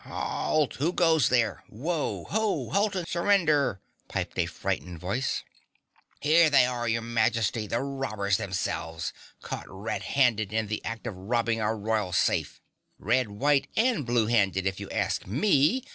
"Halt! Who goes there! Whoa! HO! Halt and Surrender!" piped a frightened voice. "Here they are, your Majesty, the robbers themselves, caught red handed in the act of robbing our royal safe!" "Red white and blue handed, if you ask me!"